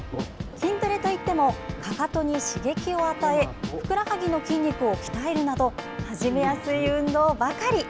筋トレといってもかかとに刺激を与えふくらはぎの筋肉を鍛えるなど始めやすい運動ばかり。